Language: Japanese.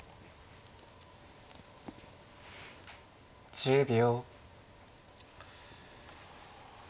１０秒。